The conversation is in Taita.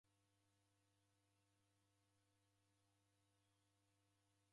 Ndew'idimagha kughenjwa imbiri.